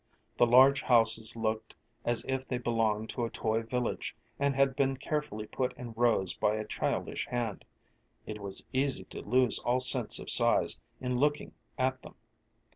The large houses looked as if they belonged to a toy village, and had been carefully put in rows by a childish hand; it was easy to lose all sense of size in looking at them.